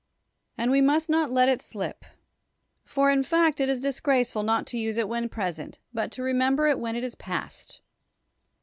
And we must not let it slip. For, in fact, it is dis graceful not to use it when present, but to remember it when it is past.